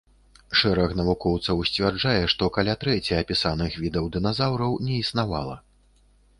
Шэраг навукоўцаў сцвярджае, што каля трэці апісаных відаў дыназаўраў не існавала.